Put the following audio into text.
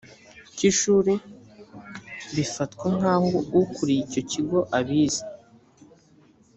cy ishuri bifatwa nk aho ukuriye icyo kigo abizi